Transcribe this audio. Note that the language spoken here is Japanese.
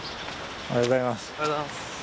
おはようございます。